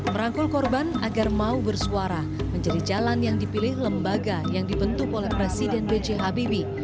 merangkul korban agar mau bersuara menjadi jalan yang dipilih lembaga yang dibentuk oleh presiden b j habibie